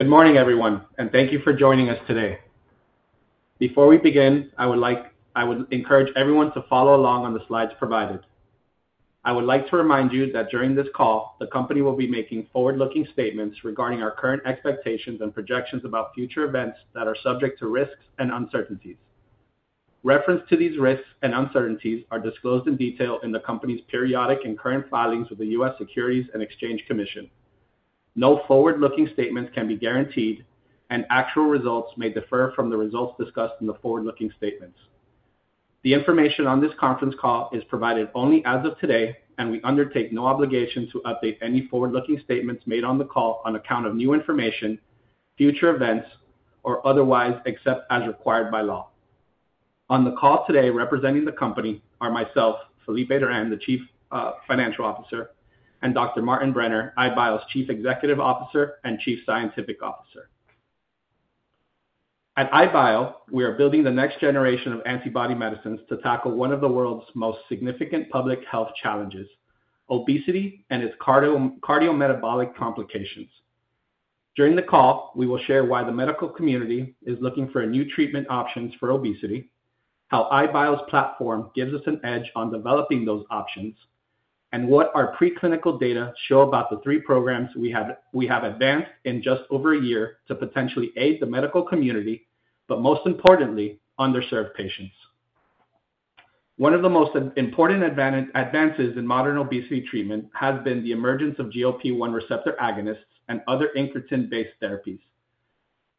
Good morning, everyone, and thank you for joining us today. Before we begin, I would encourage everyone to follow along on the slides provided. I would like to remind you that during this call, the company will be making forward-looking statements regarding our current expectations and projections about future events that are subject to risks and uncertainties. Reference to these risks and uncertainties are disclosed in detail in the company's periodic and current filings with the U.S. Securities and Exchange Commission. No forward-looking statements can be guaranteed, and actual results may differ from the results discussed in the forward-looking statements. The information on this conference call is provided only as of today, and we undertake no obligation to update any forward-looking statements made on the call on account of new information, future events, or otherwise except as required by law. On the call today representing the company are myself, Felipe Duran, the Chief Financial Officer, and Dr. Martin Brenner, iBio's Chief Executive Officer and Chief Scientific Officer. At iBio, we are building the next generation of antibody medicines to tackle one of the world's most significant public health challenges: obesity and its cardiometabolic complications. During the call, we will share why the medical community is looking for new treatment options for obesity, how iBio's platform gives us an edge on developing those options, and what our preclinical data show about the three programs we have advanced in just over a year to potentially aid the medical community, but most importantly, underserved patients. One of the most important advances in modern obesity treatment has been the emergence of GLP-1 receptor agonists and other incretin-based therapies.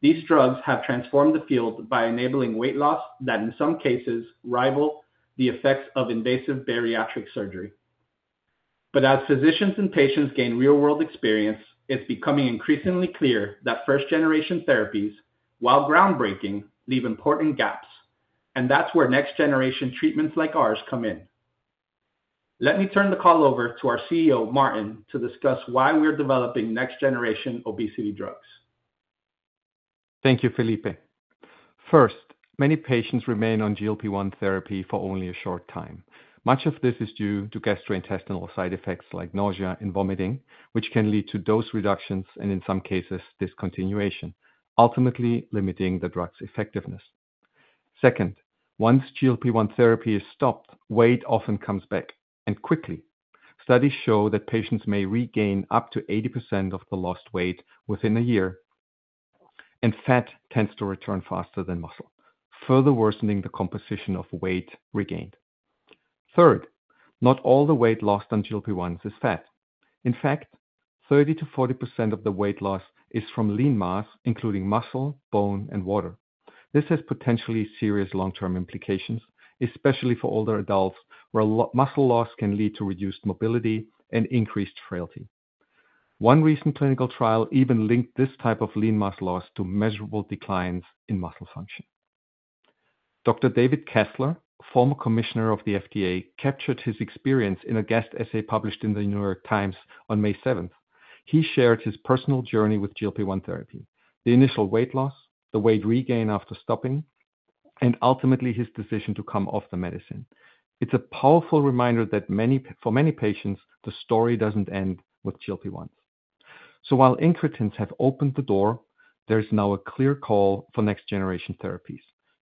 These drugs have transformed the field by enabling weight loss that, in some cases, rivals the effects of invasive bariatric surgery. As physicians and patients gain real-world experience, it's becoming increasingly clear that first-generation therapies, while groundbreaking, leave important gaps, and that's where next-generation treatments like ours come in. Let me turn the call over to our CEO, Martin, to discuss why we're developing next-generation obesity drugs. Thank you, Felipe. First, many patients remain on GLP-1 therapy for only a short time. Much of this is due to gastrointestinal side effects like nausea and vomiting, which can lead to dose reductions and, in some cases, discontinuation, ultimately limiting the drug's effectiveness. Second, once GLP-1 therapy is stopped, weight often comes back, and quickly. Studies show that patients may regain up to 80% of the lost weight within a year, and fat tends to return faster than muscle, further worsening the composition of weight regained. Third, not all the weight lost on GLP-1s is fat. In fact, 30%-40% of the weight loss is from lean mass, including muscle, bone, and water. This has potentially serious long-term implications, especially for older adults, where muscle loss can lead to reduced mobility and increased frailty. One recent clinical trial even linked this type of lean mass loss to measurable declines in muscle function. Dr. David Kessler, former Commissioner of the U.S. FDA, captured his experience in a guest essay published in The New York Times on May 7th. He shared his personal journey with GLP-1 therapy: the initial weight loss, the weight regain after stopping, and ultimately his decision to come off the medicine. It's a powerful reminder that for many patients, the story doesn't end with GLP-1s. While incretins have opened the door, there's now a clear call for next-generation therapies: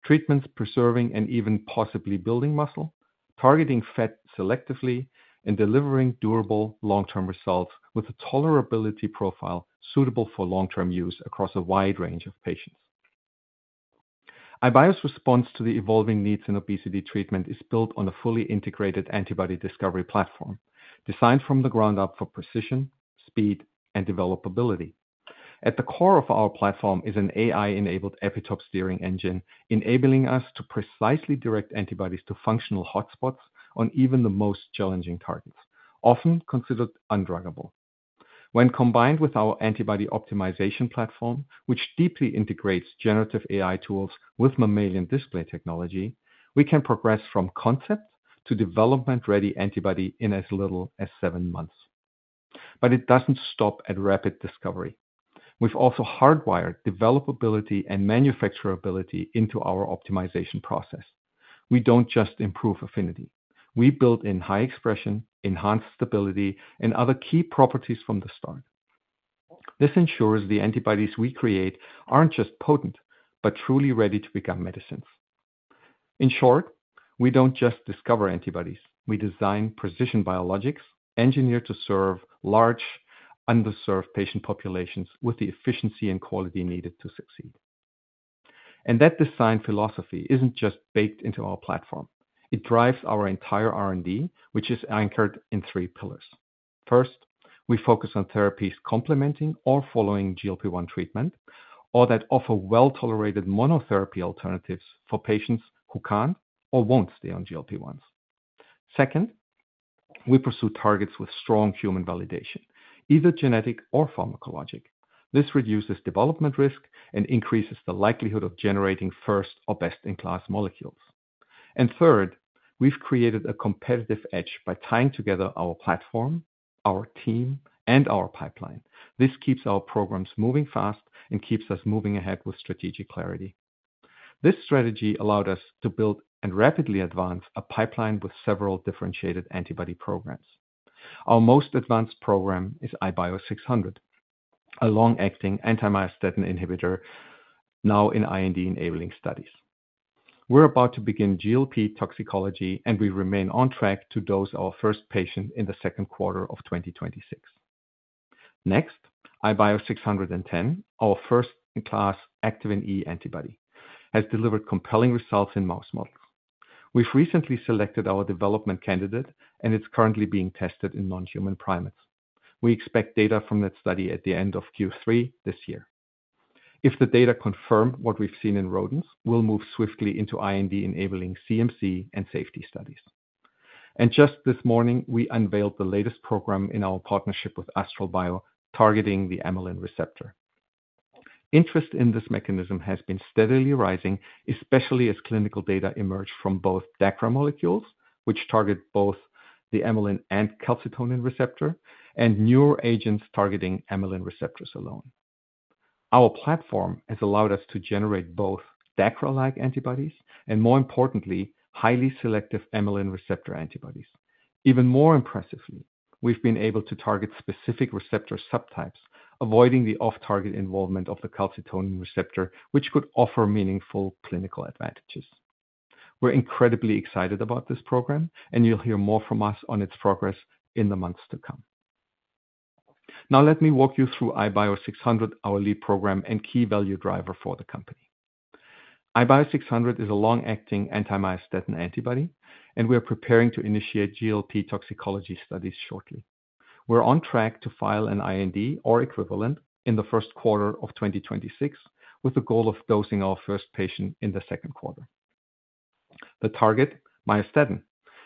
treatments preserving and even possibly building muscle, targeting fat selectively, and delivering durable long-term results with a tolerability profile suitable for long-term use across a wide range of patients. iBio's response to the evolving needs in obesity treatment is built on a fully integrated antibody discovery platform, designed from the ground up for precision, speed, and developability. At the core of our platform is an AI-enabled epitope steering engine, enabling us to precisely direct antibodies to functional hotspots on even the most challenging targets, often considered undruggable. When combined with our antibody optimization platform, which deeply integrates generative AI tools with mammalian display technology, we can progress from concept to development-ready antibody in as little as seven months. It does not stop at rapid discovery. We have also hardwired developability and manufacturability into our optimization process. We do not just improve affinity. We build in high expression, enhanced stability, and other key properties from the start. This ensures the antibodies we create are not just potent, but truly ready to become medicines. In short, we do not just discover antibodies. We design precision biologics engineered to serve large, underserved patient populations with the efficiency and quality needed to succeed. That design philosophy isn't just baked into our platform. It drives our entire R&D, which is anchored in three pillars. First, we focus on therapies complementing or following GLP-1 treatment, or that offer well-tolerated monotherapy alternatives for patients who can't or won't stay on GLP-1s. Second, we pursue targets with strong human validation, either genetic or pharmacologic. This reduces development risk and increases the likelihood of generating first or best-in-class molecules. Third, we've created a competitive edge by tying together our platform, our team, and our pipeline. This keeps our programs moving fast and keeps us moving ahead with strategic clarity. This strategy allowed us to build and rapidly advance a pipeline with several differentiated antibody programs. Our most advanced program is iBio 600, a long-acting anti-myostatin inhibitor now in IND-enabling studies. We're about to begin GLP toxicology, and we remain on track to dose our first patient in the second quarter of 2026. Next, iBio 610, our first-class Activin E antibody, has delivered compelling results in mouse models. We've recently selected our development candidate, and it's currently being tested in non-human primates. We expect data from that study at the end of Q3 this year. If the data confirm what we've seen in rodents, we'll move swiftly into IND-enabling CMC and safety studies. Just this morning, we unveiled the latest program in our partnership with Astral Bio, targeting the amylin receptor. Interest in this mechanism has been steadily rising, especially as clinical data emerged from both DACRA molecules, which target both the amylin and calcitonin receptor, and newer agents targeting amylin receptors alone. Our platform has allowed us to generate both DACRA-like antibodies and, more importantly, highly selective amylin receptor antibodies. Even more impressively, we've been able to target specific receptor subtypes, avoiding the off-target involvement of the calcitonin receptor, which could offer meaningful clinical advantages. We're incredibly excited about this program, and you'll hear more from us on its progress in the months to come. Now, let me walk you through iBio 600, our lead program and key value driver for the company. iBio 600 is a long-acting anti-myostatin antibody, and we are preparing to initiate GLP toxicology studies shortly. We're on track to file an IND or equivalent in the first quarter of 2026, with the goal of dosing our first patient in the second quarter. The target, myostatin,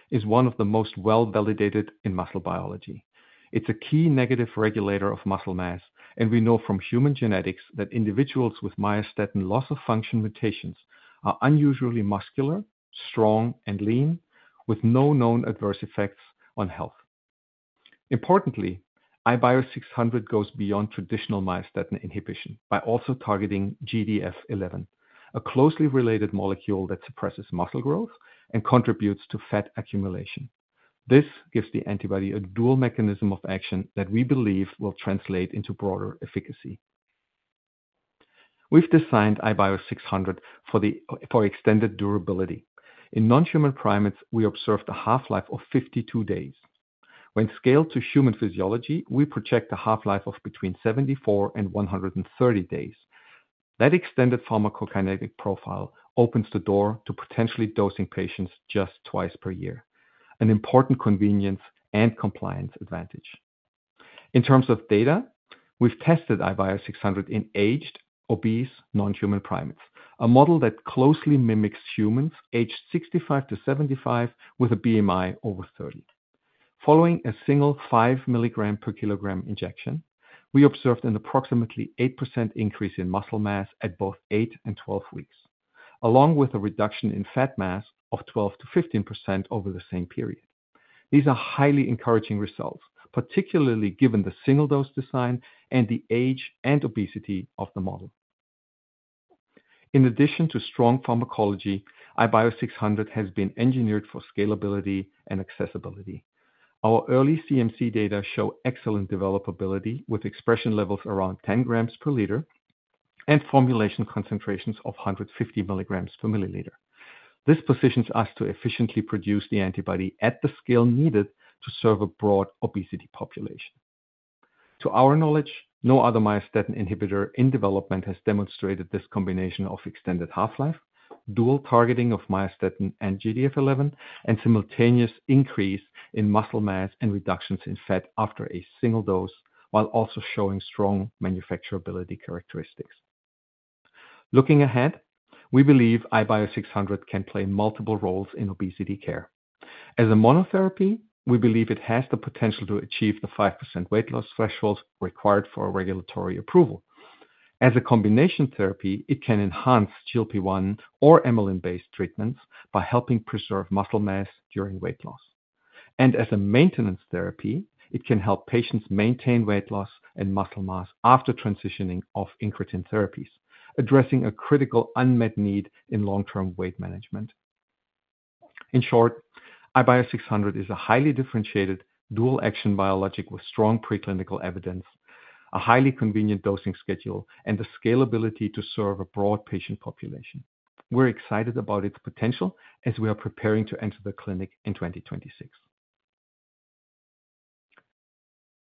is one of the most well-validated in muscle biology. It's a key negative regulator of muscle mass, and we know from human genetics that individuals with myostatin loss-of-function mutations are unusually muscular, strong, and lean, with no known adverse effects on health. Importantly, iBio 600 goes beyond traditional myostatin inhibition by also targeting GDF-11, a closely related molecule that suppresses muscle growth and contributes to fat accumulation. This gives the antibody a dual mechanism of action that we believe will translate into broader efficacy. We've designed iBio 600 for extended durability. In non-human primates, we observed a half-life of 52 days. When scaled to human physiology, we project a half-life of between 74 and 130 days. That extended pharmacokinetic profile opens the door to potentially dosing patients just twice per year, an important convenience and compliance advantage. In terms of data, we've tested iBio 600 in aged, obese, non-human primates, a model that closely mimics humans aged 65 to 75 with a BMI over 30. Following a single five milligram per kilogram injection, we observed an approximately 8% increase in muscle mass at both eight and 12 weeks, along with a reduction in fat mass of 12%-15% over the same period. These are highly encouraging results, particularly given the single-dose design and the age and obesity of the model. In addition to strong pharmacology, iBio 600 has been engineered for scalability and accessibility. Our early CMC data show excellent developability with expression levels around 10 grams per liter and formulation concentrations of 150 milligrams per milliliter. This positions us to efficiently produce the antibody at the scale needed to serve a broad obesity population. To our knowledge, no other myostatin inhibitor in development has demonstrated this combination of extended half-life, dual targeting of myostatin and GDF-11, and simultaneous increase in muscle mass and reductions in fat after a single dose, while also showing strong manufacturability characteristics. Looking ahead, we believe iBio 600 can play multiple roles in obesity care. As a monotherapy, we believe it has the potential to achieve the 5% weight loss thresholds required for regulatory approval. As a combination therapy, it can enhance GLP-1 or amylin-based treatments by helping preserve muscle mass during weight loss. As a maintenance therapy, it can help patients maintain weight loss and muscle mass after transitioning off incretin therapies, addressing a critical unmet need in long-term weight management. In short, iBio 600 is a highly differentiated dual-action biologic with strong preclinical evidence, a highly convenient dosing schedule, and the scalability to serve a broad patient population. We're excited about its potential as we are preparing to enter the clinic in 2026.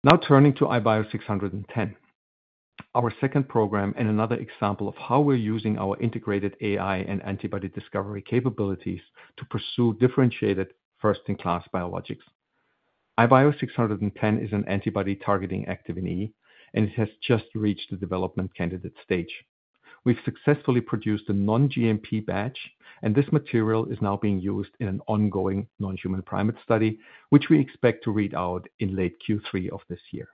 Now turning to iBio 610, our second program and another example of how we're using our integrated AI and antibody discovery capabilities to pursue differentiated first-in-class biologics. iBio 610 is an antibody targeting Activin E, and it has just reached the development candidate stage. We've successfully produced a non-GMP batch, and this material is now being used in an ongoing non-human primate study, which we expect to read out in late Q3 of this year.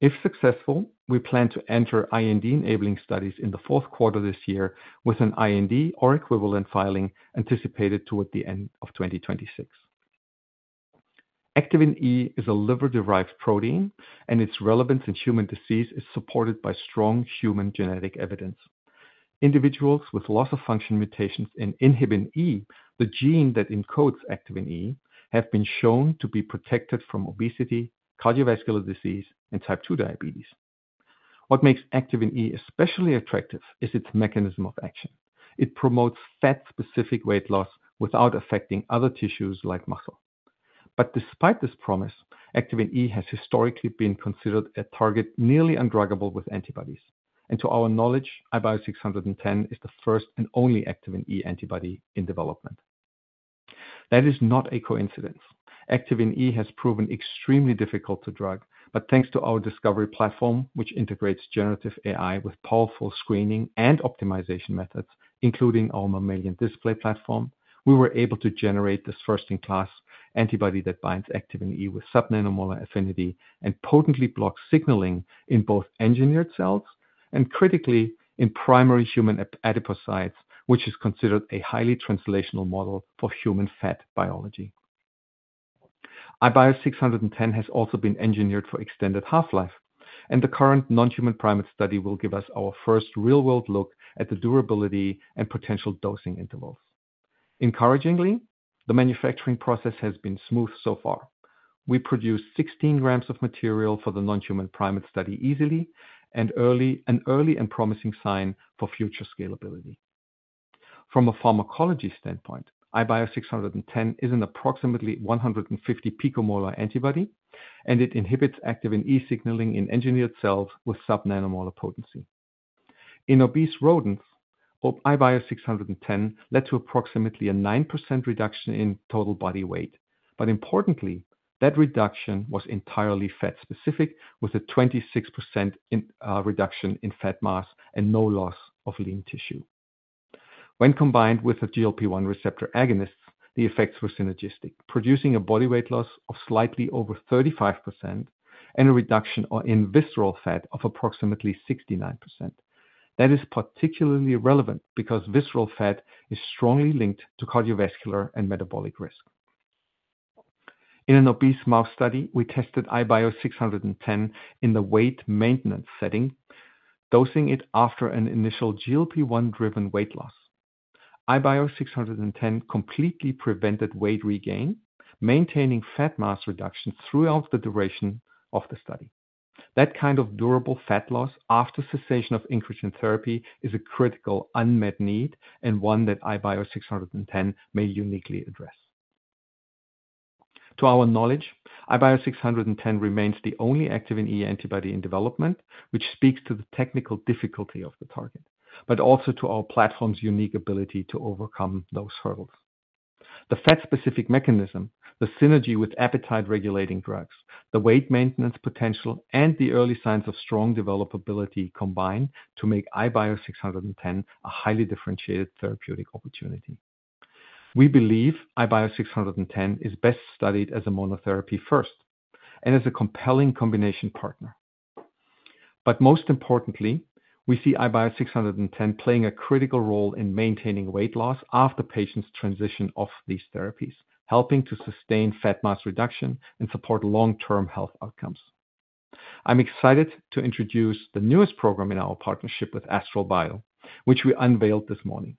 If successful, we plan to enter IND-enabling studies in the fourth quarter this year with an IND or equivalent filing anticipated toward the end of 2026. Activin E is a liver-derived protein, and its relevance in human disease is supported by strong human genetic evidence. Individuals with loss-of-function mutations in INHBE, the gene that encodes Activin E, have been shown to be protected from obesity, cardiovascular disease, and type two diabetes. What makes Activin E especially attractive is its mechanism of action. It promotes fat-specific weight loss without affecting other tissues like muscle. Despite this promise, Activin E has historically been considered a target nearly undruggable with antibodies. To our knowledge, iBio 610 is the first and only Activin E antibody in development. That is not a coincidence. Activin E has proven extremely difficult to drug, but thanks to our discovery platform, which integrates generative AI with powerful screening and optimization methods, including our mammalian display platform, we were able to generate this first-in-class antibody that binds Activin E with sub-nanomolar affinity and potently blocks signaling in both engineered cells and, critically, in primary human adipocytes, which is considered a highly translational model for human fat biology. iBio 610 has also been engineered for extended half-life, and the current non-human primate study will give us our first real-world look at the durability and potential dosing intervals. Encouragingly, the manufacturing process has been smooth so far. We produced 16 grams of material for the non-human primate study easily and early, an early and promising sign for future scalability. From a pharmacology standpoint, iBio 610 is an approximately 150 picomolar antibody, and it inhibits Activin E signaling in engineered cells with sub-nanomolar potency. In obese rodents, iBio 610 led to approximately a 9% reduction in total body weight, but importantly, that reduction was entirely fat-specific with a 26% reduction in fat mass and no loss of lean tissue. When combined with the GLP-1 receptor agonists, the effects were synergistic, producing a body weight loss of slightly over 35% and a reduction in visceral fat of approximately 69%. That is particularly relevant because visceral fat is strongly linked to cardiovascular and metabolic risk. In an obese mouse study, we tested iBio 610 in the weight maintenance setting, dosing it after an initial GLP-1-driven weight loss. iBio 610 completely prevented weight regain, maintaining fat mass reduction throughout the duration of the study. That kind of durable fat loss after cessation of incretin therapy is a critical unmet need and one that iBio 610 may uniquely address. To our knowledge, iBio 610 remains the only Activin E antibody in development, which speaks to the technical difficulty of the target, but also to our platform's unique ability to overcome those hurdles. The fat-specific mechanism, the synergy with appetite-regulating drugs, the weight maintenance potential, and the early signs of strong developability combine to make iBio 610 a highly differentiated therapeutic opportunity. We believe iBio 610 is best studied as a monotherapy first and as a compelling combination partner. Most importantly, we see iBio 610 playing a critical role in maintaining weight loss after patients transition off these therapies, helping to sustain fat mass reduction and support long-term health outcomes. I'm excited to introduce the newest program in our partnership with Astral Bio, which we unveiled this morning.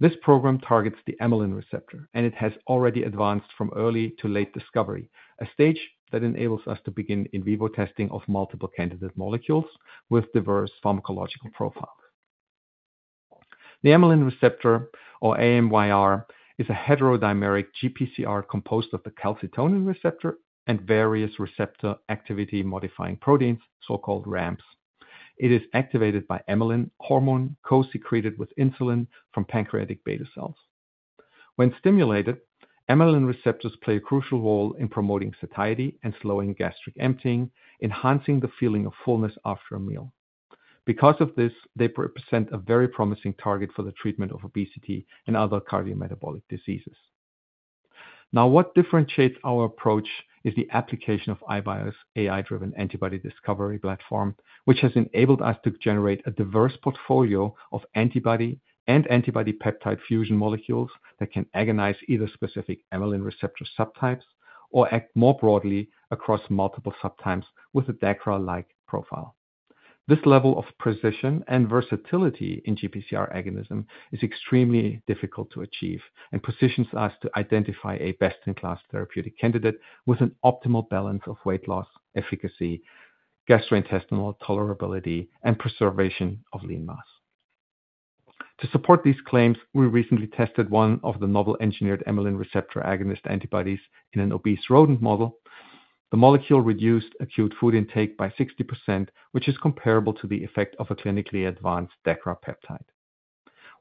This program targets the amylin receptor, and it has already advanced from early to late discovery, a stage that enables us to begin in vivo testing of multiple candidate molecules with diverse pharmacological profiles. The amylin receptor, or AMYR, is a heterodimeric GPCR composed of the calcitonin receptor and various receptor activity-modifying proteins, so-called RAMPs. It is activated by amylin hormone co-secreted with insulin from pancreatic beta cells. When stimulated, amylin receptors play a crucial role in promoting satiety and slowing gastric emptying, enhancing the feeling of fullness after a meal. Because of this, they represent a very promising target for the treatment of obesity and other cardiometabolic diseases. Now, what differentiates our approach is the application of iBio's AI-driven antibody discovery platform, which has enabled us to generate a diverse portfolio of antibody and antibody peptide fusion molecules that can agonize either specific amylin receptor subtypes or act more broadly across multiple subtypes with a DACRA-like profile. This level of precision and versatility in GPCR agonism is extremely difficult to achieve and positions us to identify a best-in-class therapeutic candidate with an optimal balance of weight loss efficacy, gastrointestinal tolerability, and preservation of lean mass. To support these claims, we recently tested one of the novel engineered amylin receptor agonist antibodies in an obese rodent model. The molecule reduced acute food intake by 60%, which is comparable to the effect of a clinically advanced DACRA peptide.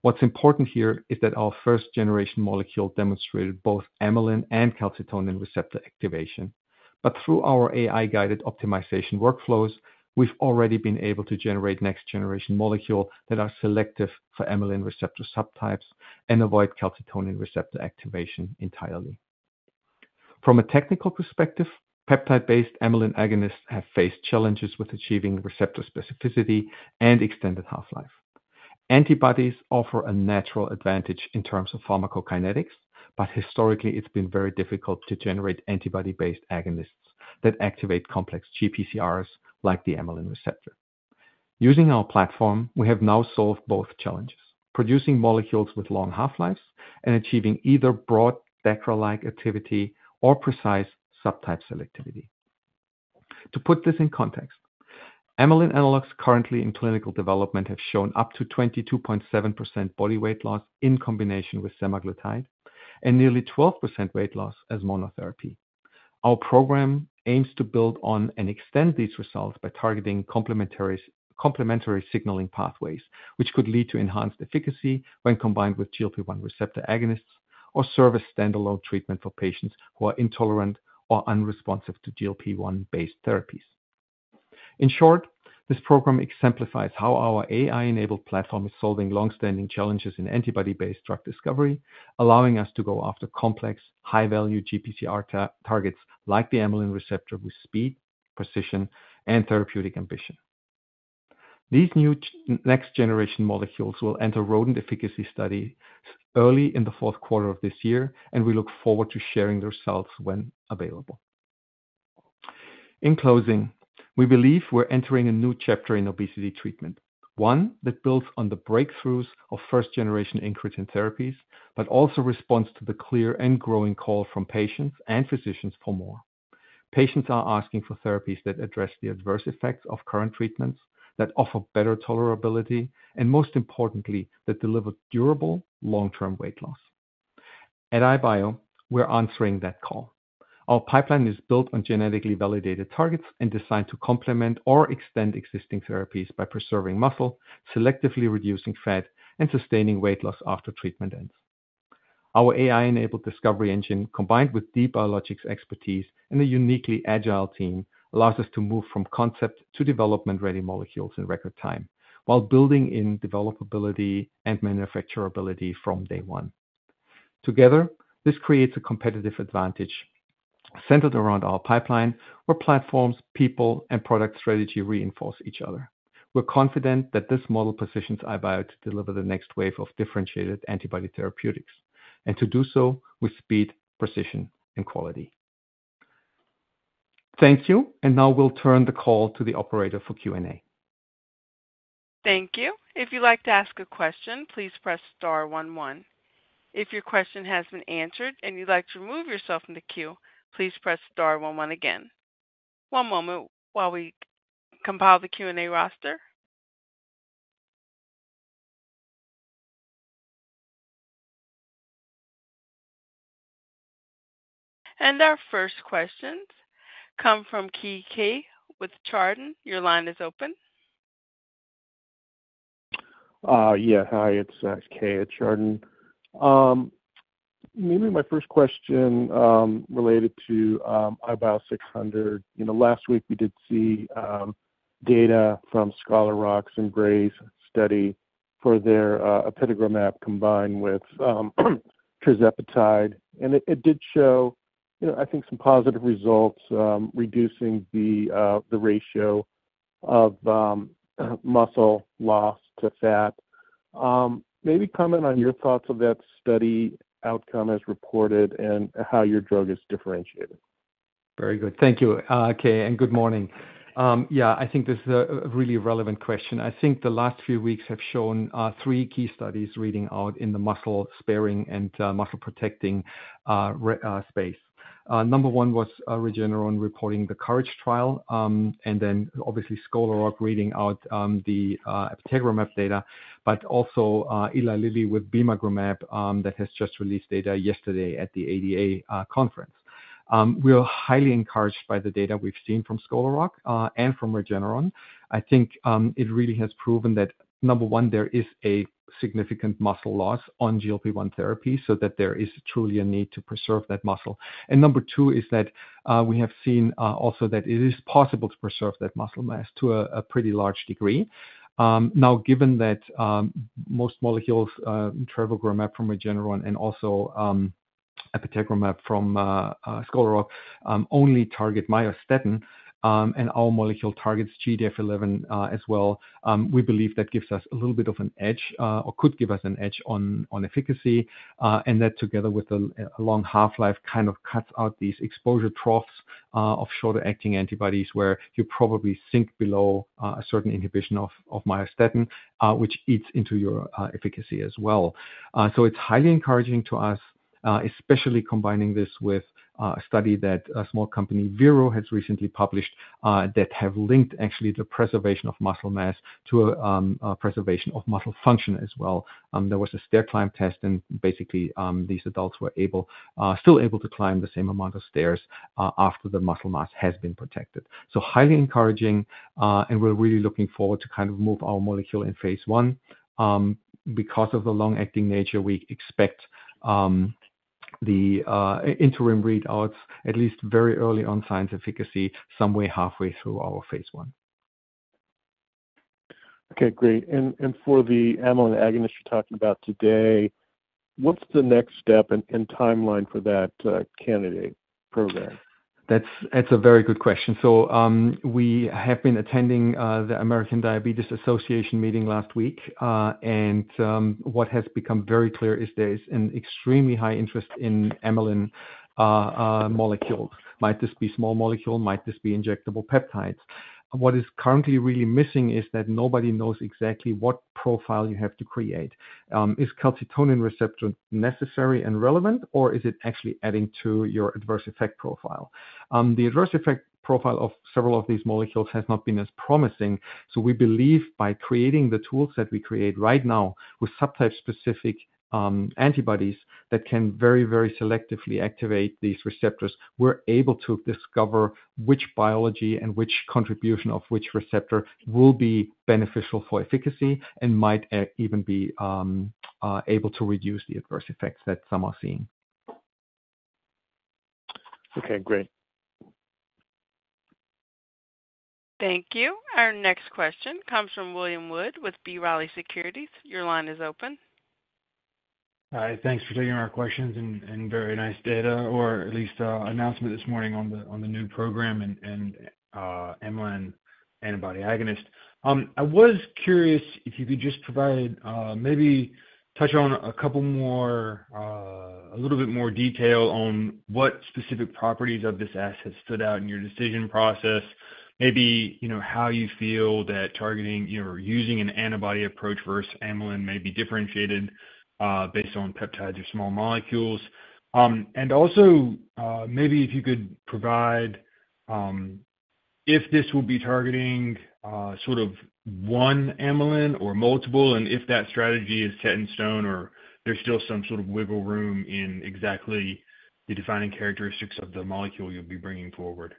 What's important here is that our first-generation molecule demonstrated both amylin and calcitonin receptor activation, but through our AI-guided optimization workflows, we've already been able to generate next-generation molecules that are selective for amylin receptor subtypes and avoid calcitonin receptor activation entirely. From a technical perspective, peptide-based amylin agonists have faced challenges with achieving receptor specificity and extended half-life. Antibodies offer a natural advantage in terms of pharmacokinetics, but historically, it's been very difficult to generate antibody-based agonists that activate complex GPCRs like the amylin receptor. Using our platform, we have now solved both challenges, producing molecules with long half-lives and achieving either broad DACRA-like activity or precise subtype selectivity. To put this in context, amylin analogs currently in clinical development have shown up to 22.7% body weight loss in combination with semaglutide and nearly 12% weight loss as monotherapy. Our program aims to build on and extend these results by targeting complementary signaling pathways, which could lead to enhanced efficacy when combined with GLP-1 receptor agonists or serve as standalone treatment for patients who are intolerant or unresponsive to GLP-1-based therapies. In short, this program exemplifies how our AI-enabled platform is solving long-standing challenges in antibody-based drug discovery, allowing us to go after complex, high-value GPCR targets like the amylin receptor with speed, precision, and therapeutic ambition. These new next-generation molecules will enter rodent efficacy studies early in the fourth quarter of this year, and we look forward to sharing the results when available. In closing, we believe we're entering a new chapter in obesity treatment, one that builds on the breakthroughs of first-generation incretin therapies, but also responds to the clear and growing call from patients and physicians for more. Patients are asking for therapies that address the adverse effects of current treatments, that offer better tolerability, and most importantly, that deliver durable long-term weight loss. At iBio, we're answering that call. Our pipeline is built on genetically validated targets and designed to complement or extend existing therapies by preserving muscle, selectively reducing fat, and sustaining weight loss after treatment ends. Our AI-enabled discovery engine, combined with DeepBiologics' expertise and a uniquely agile team, allows us to move from concept to development-ready molecules in record time while building in developability and manufacturability from day one. Together, this creates a competitive advantage centered around our pipeline, where platforms, people, and product strategy reinforce each other. We're confident that this model positions iBio to deliver the next wave of differentiated antibody therapeutics, and to do so with speed, precision, and quality. Thank you, and now we'll turn the call to the operator for Q&A. Thank you. If you'd like to ask a question, please press star 11. If your question has been answered and you'd like to remove yourself from the queue, please press star 11 again. One moment while we compile the Q&A roster. Our first questions come from Kay at Chardon. Your line is open. Yes, hi. It's Kay at Chardon. Maybe my first question related to iBio 600. Last week, we did see data from Scholar Rock's and Lilly's study for their apitegromab combined with tirzepatide, and it did show, I think, some positive results reducing the ratio of muscle loss to fat. Maybe comment on your thoughts of that study outcome as reported and how your drug is differentiated. Very good. Thank you, Kay, and good morning. Yeah, I think this is a really relevant question. I think the last few weeks have shown three key studies reading out in the muscle-sparing and muscle-protecting space. Number one was Regeneron reporting the Courage trial, and then obviously Scholar Rock reading out the apitegromab data, but also Eli Lilly with bimagrumab that has just released data yesterday at the ADA conference. We're highly encouraged by the data we've seen from Scholar Rock and from Regeneron. I think it really has proven that, number one, there is a significant muscle loss on GLP-1 therapy so that there is truly a need to preserve that muscle. And number two is that we have seen also that it is possible to preserve that muscle mass to a pretty large degree. Now, given that most molecules in Trevogrumab from Regeneron and also Apitegromab from Scholar Rock only target myostatin, and our molecule targets GDF-11 as well, we believe that gives us a little bit of an edge or could give us an edge on efficacy, and that together with a long half-life kind of cuts out these exposure troughs of shorter-acting antibodies where you probably sink below a certain inhibition of myostatin, which eats into your efficacy as well. It is highly encouraging to us, especially combining this with a study that a small company, Viro, has recently published that have linked actually the preservation of muscle mass to a preservation of muscle function as well. There was a stair climb test, and basically, these adults were still able to climb the same amount of stairs after the muscle mass has been protected. Highly encouraging, and we're really looking forward to kind of move our molecule in phase one. Because of the long-acting nature, we expect the interim readouts, at least very early on, signs of efficacy somewhere halfway through our phase one. Okay, great. For the amylin agonist you're talking about today, what's the next step and timeline for that candidate program? That's a very good question. We have been attending the American Diabetes Association meeting last week, and what has become very clear is there is an extremely high interest in amylin molecules. Might this be small molecules? Might this be injectable peptides? What is currently really missing is that nobody knows exactly what profile you have to create. Is calcitonin receptor necessary and relevant, or is it actually adding to your adverse effect profile? The adverse effect profile of several of these molecules has not been as promising, so we believe by creating the tools that we create right now with subtype-specific antibodies that can very, very selectively activate these receptors, we're able to discover which biology and which contribution of which receptor will be beneficial for efficacy and might even be able to reduce the adverse effects that some are seeing. Okay, great. Thank you. Our next question comes from William Wood with B-Rally Securities. Your line is open. Hi, thanks for taking our questions and very nice data, or at least announcement this morning on the new program and amylin antibody agonist. I was curious if you could just provide, maybe touch on a couple more, a little bit more detail on what specific properties of this asset stood out in your decision process, maybe how you feel that targeting or using an antibody approach versus amylin may be differentiated based on peptides or small molecules. Also, maybe if you could provide if this will be targeting sort of one amylin or multiple, and if that strategy is set in stone or there's still some sort of wiggle room in exactly the defining characteristics of the molecule you'll be bringing forward?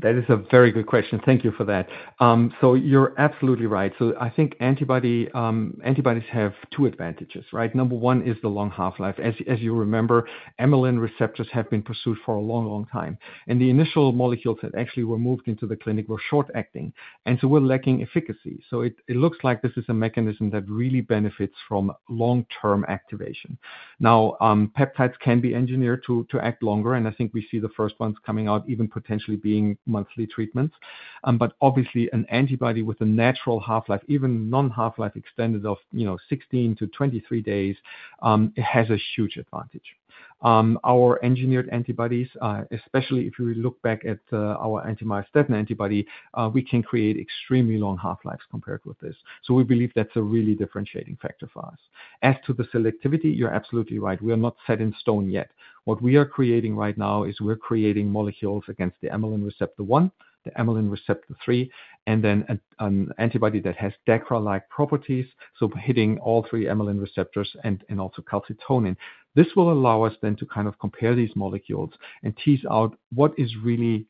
That is a very good question. Thank you for that. You're absolutely right. I think antibodies have two advantages, right? Number one is the long half-life. As you remember, amylin receptors have been pursued for a long, long time. The initial molecules that actually were moved into the clinic were short-acting, and so were lacking efficacy. It looks like this is a mechanism that really benefits from long-term activation. Peptides can be engineered to act longer, and I think we see the first ones coming out, even potentially being monthly treatments. Obviously, an antibody with a natural half-life, even non-half-life extended of 16-23 days, has a huge advantage. Our engineered antibodies, especially if you look back at our anti-myostatin antibody, we can create extremely long half-lives compared with this. We believe that is a really differentiating factor for us. As to the selectivity, you are absolutely right. We are not set in stone yet. What we are creating right now is we're creating molecules against the amylin receptor one, the amylin receptor three, and then an antibody that has DACRA-like properties, so hitting all three amylin receptors and also calcitonin. This will allow us then to kind of compare these molecules and tease out what is really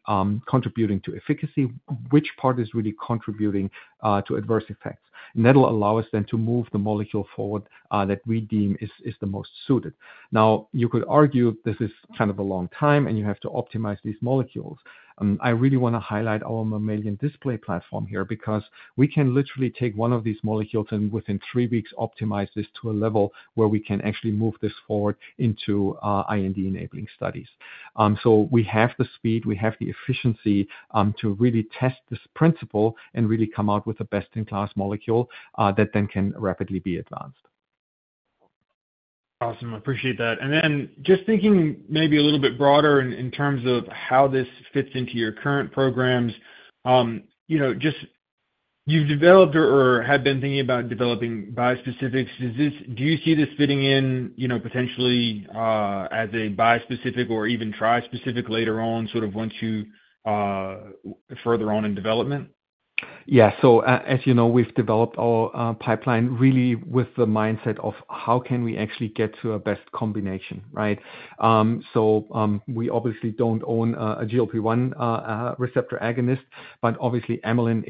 contributing to efficacy, which part is really contributing to adverse effects. That'll allow us then to move the molecule forward that we deem is the most suited. Now, you could argue this is kind of a long time, and you have to optimize these molecules. I really want to highlight our mammalian display platform here because we can literally take one of these molecules and within three weeks optimize this to a level where we can actually move this forward into IND-enabling studies. We have the speed, we have the efficiency to really test this principle and really come out with a best-in-class molecule that then can rapidly be advanced. Awesome. I appreciate that. Just thinking maybe a little bit broader in terms of how this fits into your current programs, just you've developed or have been thinking about developing biospecifics. Do you see this fitting in potentially as a biospecific or even tri-specific later on, sort of once you further on in development? Yeah. As you know, we've developed our pipeline really with the mindset of how can we actually get to a best combination, right? We obviously do not own a GLP-1 receptor agonist, but obviously, amylin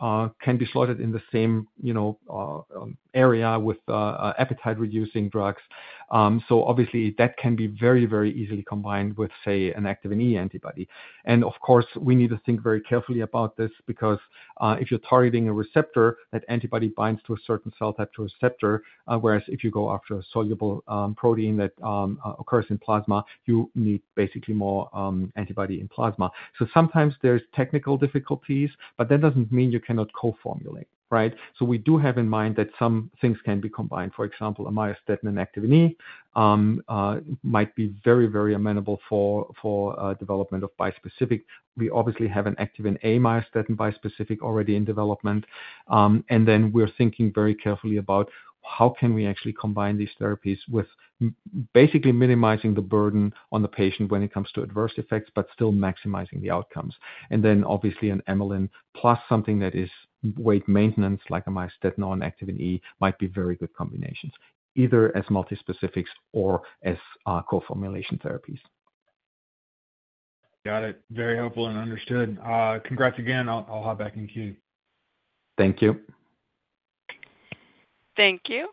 can be slotted in the same area with appetite-reducing drugs. That can be very, very easily combined with, say, an activin E antibody. Of course, we need to think very carefully about this because if you're targeting a receptor, that antibody binds to a certain cell-type receptor, whereas if you go after a soluble protein that occurs in plasma, you need basically more antibody in plasma. Sometimes there's technical difficulties, but that doesn't mean you cannot co-formulate, right? We do have in mind that some things can be combined. For example, a myostatin and activin E might be very, very amenable for development of biospecific. We obviously have an activin A myostatin biospecific already in development. We are thinking very carefully about how can we actually combine these therapies with basically minimizing the burden on the patient when it comes to adverse effects, but still maximizing the outcomes. Obviously, an amylin plus something that is weight maintenance, like a myostatin or an activin E, might be very good combinations, either as multi-specifics or as co-formulation therapies. Got it. Very helpful and understood. Congrats again. I'll hop back in queue. Thank you. Thank you.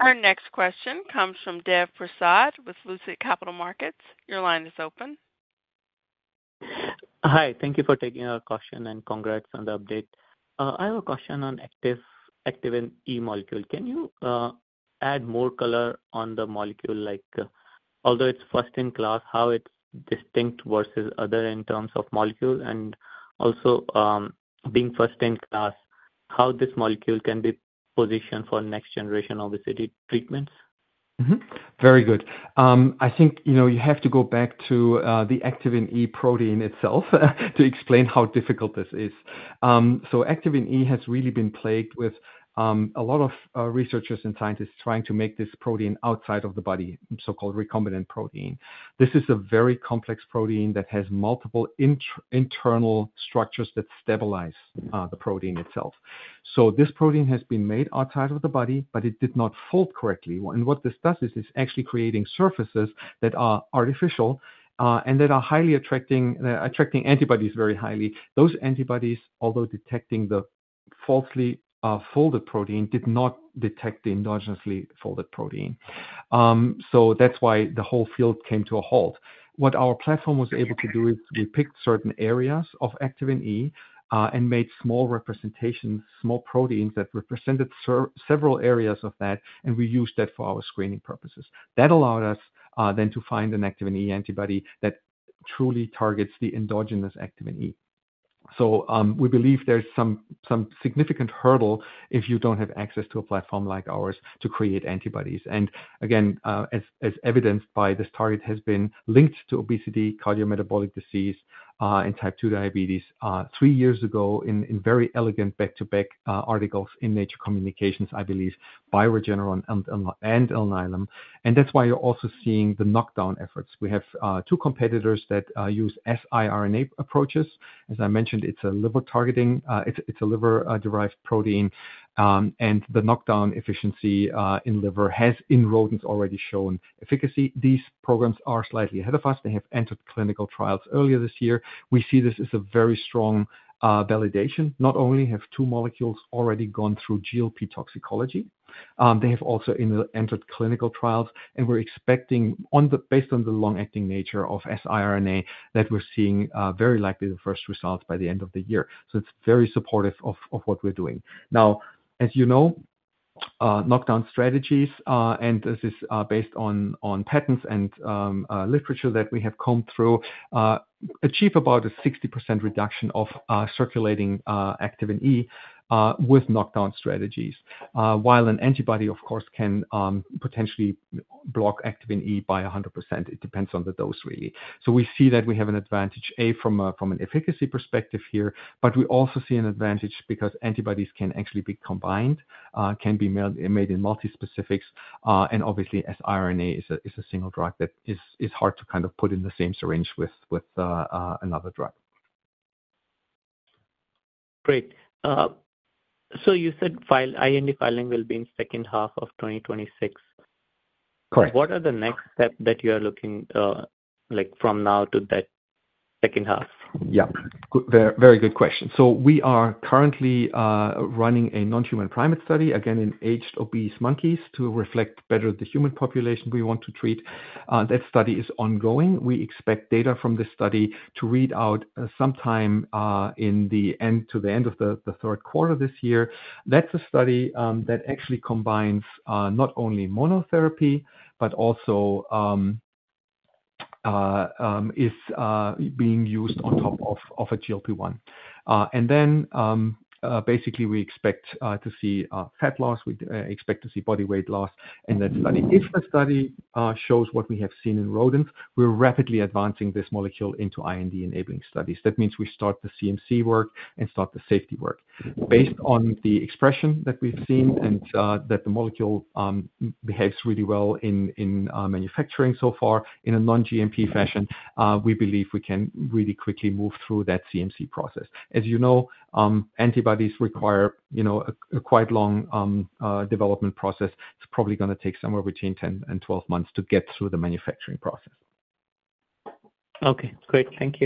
Our next question comes from Dev Prasad with Lucid Capital Markets. Your line is open. Hi. Thank you for taking our question and congrats on the update. I have a question on activin E molecule. Can you add more color on the molecule, although it's first-in-class, how it's distinct versus others in terms of molecule and also being first-in-class, how this molecule can be positioned for next-generation obesity treatments? Very good. I think you have to go back to the activin E protein itself to explain how difficult this is. Activin E has really been plagued with a lot of researchers and scientists trying to make this protein outside of the body, so-called recombinant protein. This is a very complex protein that has multiple internal structures that stabilize the protein itself. This protein has been made outside of the body, but it did not fold correctly. What this does is it is actually creating surfaces that are artificial and that are highly attracting antibodies very highly. Those antibodies, although detecting the falsely folded protein, did not detect the endogenously folded protein. That is why the whole field came to a halt. What our platform was able to do is we picked certain areas of activin E and made small representations, small proteins that represented several areas of that, and we used that for our screening purposes. That allowed us then to find an Activin E antibody that truly targets the endogenous Activin E. We believe there's some significant hurdle if you don't have access to a platform like ours to create antibodies. Again, as evidenced by this, the target has been linked to obesity, cardiometabolic disease, and type 2 diabetes three years ago in very elegant back-to-back articles in Nature Communications, I believe, by Regeneron and Alnylam. That is why you're also seeing the knockdown efforts. We have two competitors that use siRNA approaches. As I mentioned, it's a liver-targeting, it's a liver-derived protein, and the knockdown efficiency in liver has in rodents already shown efficacy. These programs are slightly ahead of us. They have entered clinical trials earlier this year. We see this as a very strong validation. Not only have two molecules already gone through GLP toxicology, they have also entered clinical trials, and we're expecting, based on the long-acting nature of siRNA, that we're seeing very likely the first results by the end of the year. It is very supportive of what we're doing. Now, as you know, knockdown strategies, and this is based on patents and literature that we have combed through, achieve about a 60% reduction of circulating Activin E with knockdown strategies, while an antibody, of course, can potentially block Activin E by 100%. It depends on the dose, really. We see that we have an advantage, A, from an efficacy perspective here, but we also see an advantage because antibodies can actually be combined, can be made in multi-specifics, and obviously, siRNA is a single drug that is hard to kind of put in the same syringe with another drug. Great. You said IND filing will be in the second half of 2026. Correct. What are the next steps that you are looking from now to that second half? Yeah. Very good question. We are currently running a non-human primate study, again, in aged obese monkeys to reflect better the human population we want to treat. That study is ongoing. We expect data from this study to read out sometime to the end of the third quarter this year. That is a study that actually combines not only monotherapy, but also is being used on top of a GLP-1. We expect to see fat loss. We expect to see body weight loss in that study. If the study shows what we have seen in rodents, we are rapidly advancing this molecule into IND-enabling studies. That means we start the CMC work and start the safety work. Based on the expression that we've seen and that the molecule behaves really well in manufacturing so far in a non-GMP fashion, we believe we can really quickly move through that CMC process. As you know, antibodies require a quite long development process. It's probably going to take somewhere between 10 and 12 months to get through the manufacturing process. Okay. Great. Thank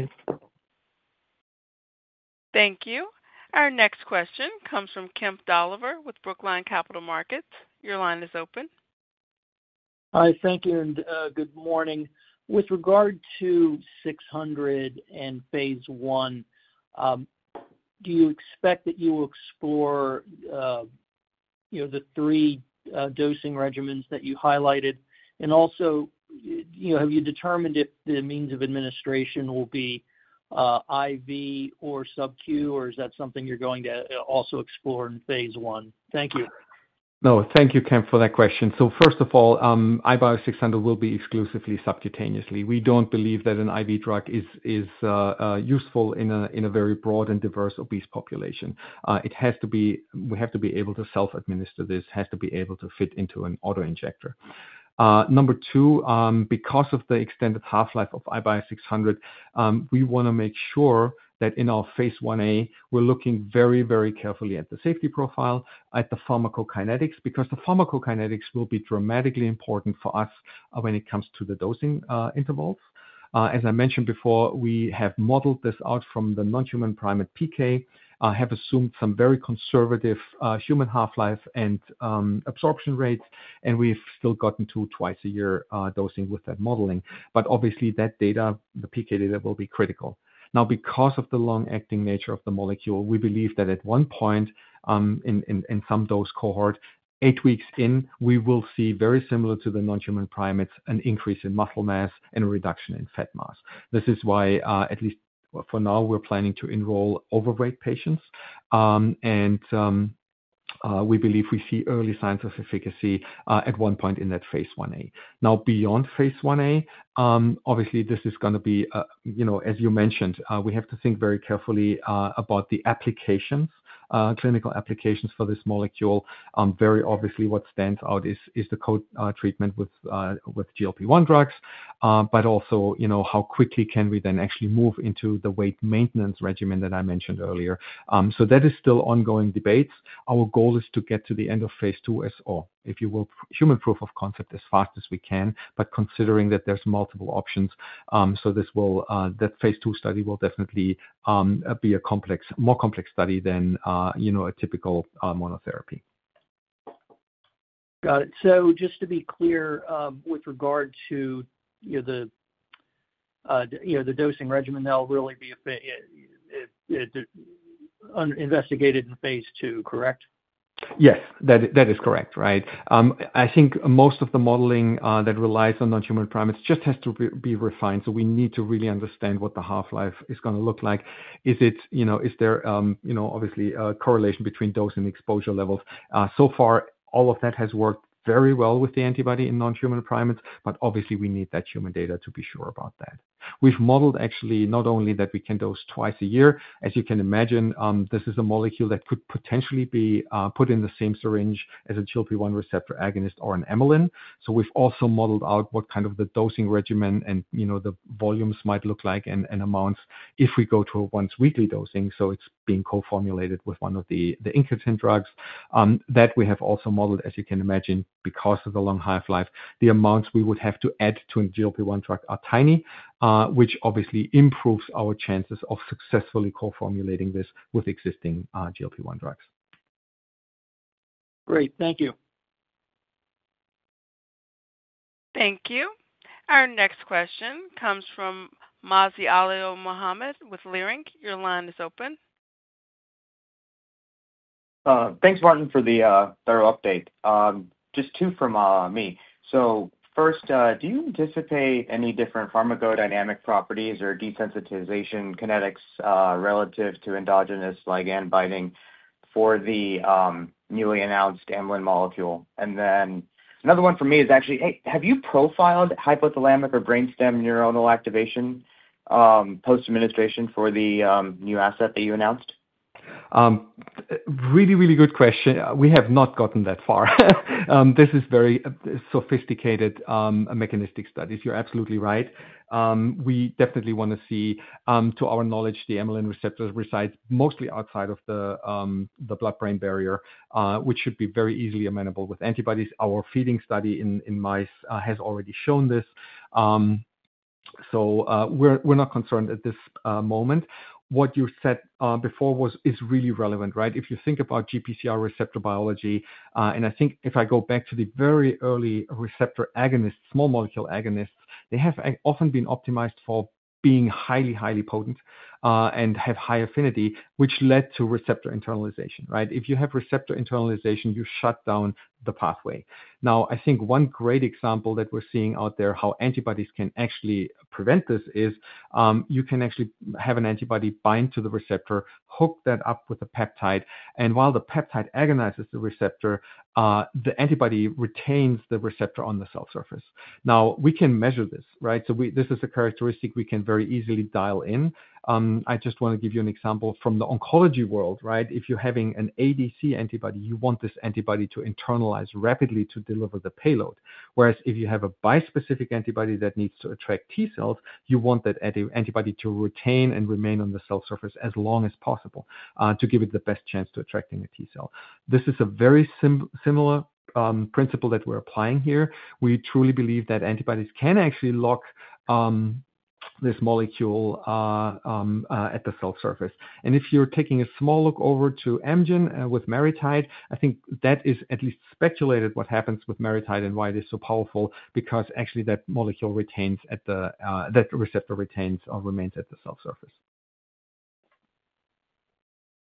you. Our next question comes from Kemp Doliver with Brookline Capital Markets. Your line is open. Hi. Thank you. And good morning. With regard to 600 and phase one, do you expect that you will explore the three dosing regimens that you highlighted? Also, have you determined if the means of administration will be IV or subq, or is that something you're going to also explore in phase one? Thank you. No, thank you, Kemp, for that question. First of all, iBio 600 will be exclusively subcutaneously. We do not believe that an IV drug is useful in a very broad and diverse obese population. It has to be, we have to be able to self-administer this. It has to be able to fit into an autoinjector. Number two, because of the extended half-life of iBio 600, we want to make sure that in our phase one A, we are looking very, very carefully at the safety profile, at the pharmacokinetics, because the pharmacokinetics will be dramatically important for us when it comes to the dosing intervals. As I mentioned before, we have modeled this out from the non-human primate PK, have assumed some very conservative human half-life and absorption rates, and we have still gotten to twice-a-year dosing with that modeling. Obviously, that data, the PK data, will be critical. Now, because of the long-acting nature of the molecule, we believe that at one point in some dose cohort, eight weeks in, we will see, very similar to the non-human primates, an increase in muscle mass and a reduction in fat mass. This is why, at least for now, we're planning to enroll overweight patients. We believe we see early signs of efficacy at one point in that phase one A. Now, beyond phase one A, obviously, this is going to be, as you mentioned, we have to think very carefully about the applications, clinical applications for this molecule. Very obviously, what stands out is the co-treatment with GLP-1 drugs, but also how quickly can we then actually move into the weight maintenance regimen that I mentioned earlier. That is still ongoing debates. Our goal is to get to the end of phase two, so, if you will, human proof of concept as fast as we can, but considering that there's multiple options. That phase two study will definitely be a more complex study than a typical monotherapy. Got it. Just to be clear, with regard to the dosing regimen, they'll really be investigated in phase two, correct? Yes, that is correct, right? I think most of the modeling that relies on non-human primates just has to be refined. We need to really understand what the half-life is going to look like. Is there obviously a correlation between dose and exposure levels? So far, all of that has worked very well with the antibody in non-human primates, but obviously, we need that human data to be sure about that. We've modeled actually not only that we can dose twice a year. As you can imagine, this is a molecule that could potentially be put in the same syringe as a GLP-1 receptor agonist or an amylin. We have also modeled out what kind of the dosing regimen and the volumes might look like and amounts if we go to a once-weekly dosing. It is being co-formulated with one of the incretin drugs. We have also modeled that, as you can imagine, because of the long half-life, the amounts we would have to add to a GLP-1 drug are tiny, which obviously improves our chances of successfully co-formulating this with existing GLP-1 drugs. Great. Thank you. Thank you. Our next question comes from Mazi Alio Mohammed with Leerink. Your line is open. Thanks, Martin, for the thorough update. Just two from me. First, do you anticipate any different pharmacodynamic properties or desensitization kinetics relative to endogenous ligand binding for the newly announced amylin molecule? Another one for me is actually, have you profiled hypothalamic or brainstem neuronal activation post-administration for the new asset that you announced? Really, really good question. We have not gotten that far. This is very sophisticated mechanistic studies. You're absolutely right. We definitely want to see, to our knowledge, the amylin receptors reside mostly outside of the blood-brain barrier, which should be very easily amenable with antibodies. Our feeding study in mice has already shown this. We're not concerned at this moment. What you said before is really relevant, right? If you think about GPCR receptor biology, and I think if I go back to the very early receptor agonists, small molecule agonists, they have often been optimized for being highly, highly potent and have high affinity, which led to receptor internalization, right? If you have receptor internalization, you shut down the pathway. Now, I think one great example that we're seeing out there how antibodies can actually prevent this is you can actually have an antibody bind to the receptor, hook that up with a peptide, and while the peptide agonizes the receptor, the antibody retains the receptor on the cell surface. Now, we can measure this, right? This is a characteristic we can very easily dial in. I just want to give you an example from the oncology world, right? If you're having an ADC antibody, you want this antibody to internalize rapidly to deliver the payload. Whereas if you have a bispecific antibody that needs to attract T cells, you want that antibody to retain and remain on the cell surface as long as possible to give it the best chance to attracting a T cell. This is a very similar principle that we're applying here. We truly believe that antibodies can actually lock this molecule at the cell surface. And if you're taking a small look over to Amgen with maritide, I think that is at least speculated what happens with maritide and why it is so powerful because actually that molecule retains at the, that receptor retains or remains at the cell surface.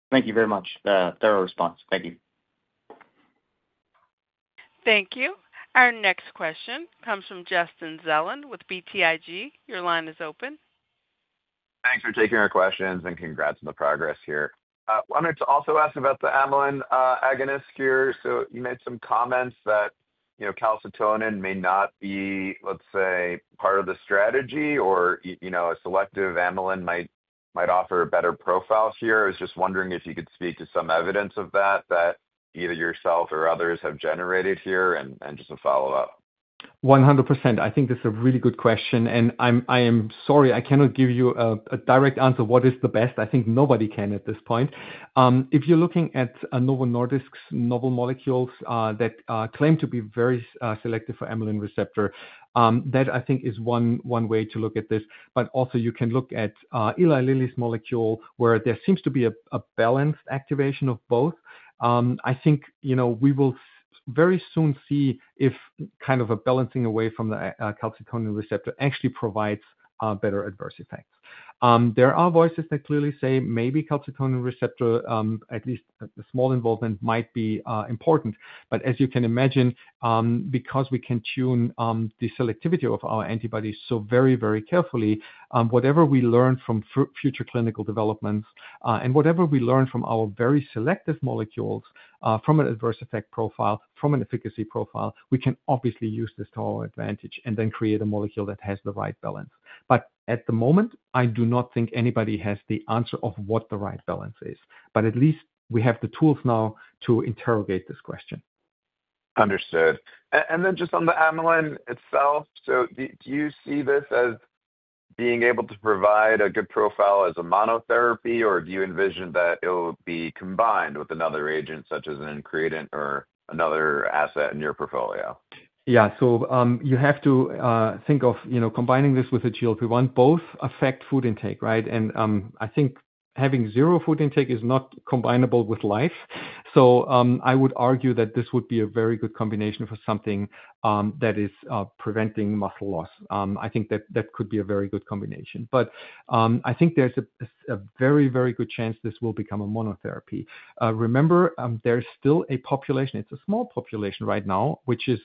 Thank you very much. Thorough response. Thank you. Thank you. Our next question comes from Justin Zelin with BTIG. Your line is open. Thanks for taking our questions and congrats on the progress here. I wanted to also ask about the amylin agonist here. You made some comments that calcitonin may not be, let's say, part of the strategy or a selective amylin might offer a better profile here. I was just wondering if you could speak to some evidence of that that either yourself or others have generated here and just a follow-up. 100%. I think this is a really good question. I am sorry, I cannot give you a direct answer what is the best. I think nobody can at this point. If you're looking at Novo Nordisk's novel molecules that claim to be very selective for amylin receptor, that I think is one way to look at this. You can also look at Eli Lilly's molecule where there seems to be a balanced activation of both. I think we will very soon see if kind of a balancing away from the calcitonin receptor actually provides better adverse effects. There are voices that clearly say maybe calcitonin receptor, at least a small involvement, might be important. As you can imagine, because we can tune the selectivity of our antibodies so very, very carefully, whatever we learn from future clinical developments and whatever we learn from our very selective molecules from an adverse effect profile, from an efficacy profile, we can obviously use this to our advantage and then create a molecule that has the right balance. At the moment, I do not think anybody has the answer of what the right balance is. At least we have the tools now to interrogate this question. Understood. Just on the amylin itself, do you see this as being able to provide a good profile as a monotherapy, or do you envision that it will be combined with another agent such as an incretin or another asset in your portfolio? Yeah. You have to think of combining this with a GLP-1. Both affect food intake, right? I think having zero food intake is not combinable with life. I would argue that this would be a very good combination for something that is preventing muscle loss. I think that could be a very good combination. I think there is a very, very good chance this will become a monotherapy. Remember, there is still a population. It is a small population right now, which is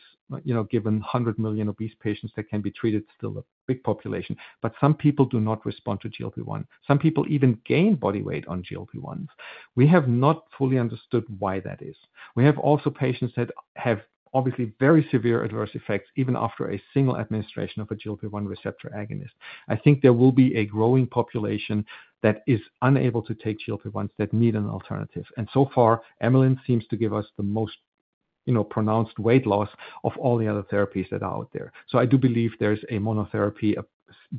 given 100 million obese patients that can be treated, still a big population. Some people do not respond to GLP-1. Some people even gain body weight on GLP-1s. We have not fully understood why that is. We have also patients that have obviously very severe adverse effects even after a single administration of a GLP-1 receptor agonist. I think there will be a growing population that is unable to take GLP-1s that need an alternative. So far, amylin seems to give us the most pronounced weight loss of all the other therapies that are out there. I do believe there is a monotherapy, a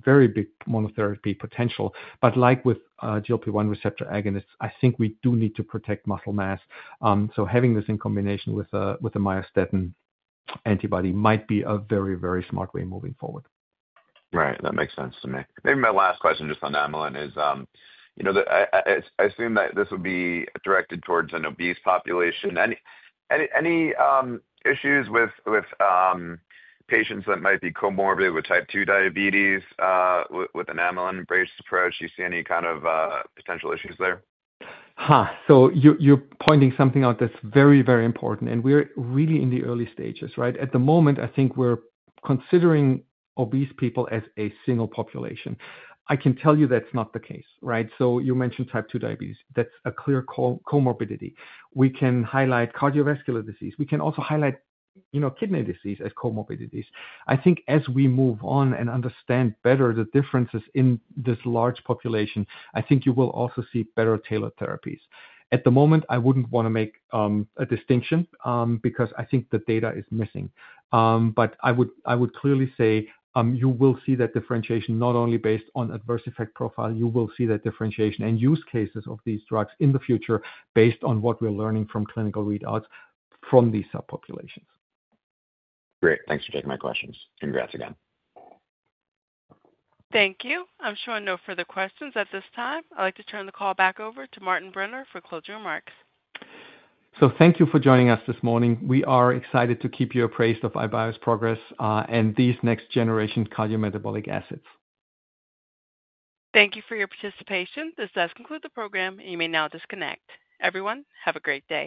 very big monotherapy potential. Like with GLP-1 receptor agonists, I think we do need to protect muscle mass. Having this in combination with a myostatin antibody might be a very, very smart way moving forward. Right. That makes sense to me. Maybe my last question just on amylin is I assume that this would be directed towards an obese population. Any issues with patients that might be comorbid with type 2 diabetes with an amylin-based approach? Do you see any kind of potential issues there? Huh. You're pointing something out that's very, very important. We're really in the early stages, right? At the moment, I think we're considering obese people as a single population. I can tell you that's not the case, right? You mentioned type 2 diabetes. That's a clear comorbidity. We can highlight cardiovascular disease. We can also highlight kidney disease as comorbidities. I think as we move on and understand better the differences in this large population, I think you will also see better tailored therapies. At the moment, I wouldn't want to make a distinction because I think the data is missing. I would clearly say you will see that differentiation not only based on adverse effect profile. You will see that differentiation and use cases of these drugs in the future based on what we're learning from clinical readouts from these subpopulations. Great. Thanks for taking my questions. Congrats again. Thank you. I'm showing no further questions at this time. I'd like to turn the call back over to Martin Brenner for closing remarks. Thank you for joining us this morning. We are excited to keep you appraised of iBio's progress and these next-generation cardiometabolic assets. Thank you for your participation. This does conclude the program. You may now disconnect. Everyone, have a great day.